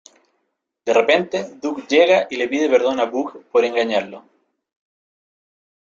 De repente, Doug llega y le pide perdón a Boog por engañarlo.